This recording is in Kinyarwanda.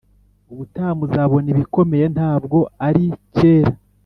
ubutaha muzabona ibikomeye, ntabwo ari cyera